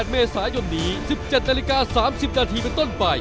เมษายนนี้๑๗นาฬิกา๓๐นาทีเป็นต้นไป